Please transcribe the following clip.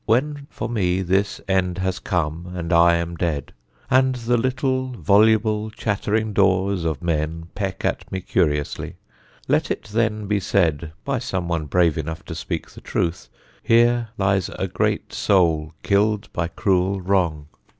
When For me this end has come and I am dead, And the little voluble, chattering daws of men Peck at me curiously, let it then be said By some one brave enough to speak the truth: Here lies a great soul killed by cruel wrong.